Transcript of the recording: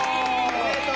おめでとう！